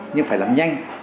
nhưng phải làm nhanh